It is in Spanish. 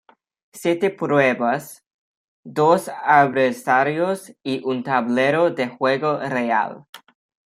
Siete pruebas, dos adversarios y un tablero de juego real.